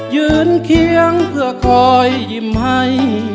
ยืนเคียงเพื่อคอยยิ้มให้